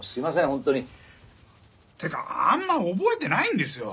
本当に。っていうかあんま覚えてないんですよ。